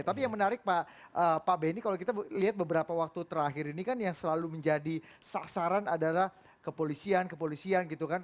tapi yang menarik pak benny kalau kita lihat beberapa waktu terakhir ini kan yang selalu menjadi sasaran adalah kepolisian kepolisian gitu kan